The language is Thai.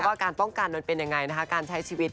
ว่าการป้องกันมันเป็นยังไงนะคะการใช้ชีวิต